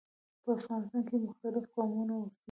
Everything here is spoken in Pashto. په افغانستان کې مختلف قومونه اوسیږي.